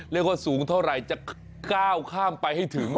ว่าสูงเท่าไหร่จะก้าวข้ามไปให้ถึง